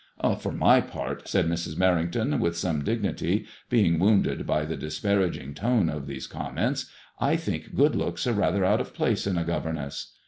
" For my part," said Mrs, Merrington, with some dignity, being wounded by the disparaging tone of these comments, ^'I think good looks are rather out of place in a governess.